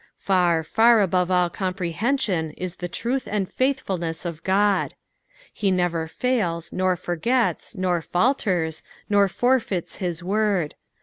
Far, far above all comprehension is the truth and faithfulness of Qod. He never fails, nor forgets, nor falters, nor forfeits hia word.